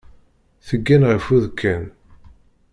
Teggan ɣef udekkan.